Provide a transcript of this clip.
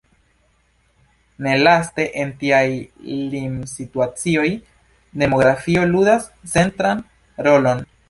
Nelaste, en tiaj limsituacioj, demografio ludas centran rolon.